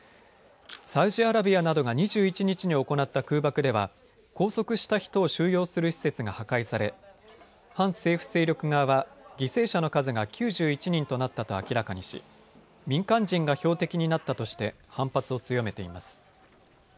サウジアラビアなどが２１日に行った空爆では拘束した人を収容する施設が破壊され反政府勢力側は犠牲者の数が９１人となったと明らかにし民間人が標的になったとして反発を強めています。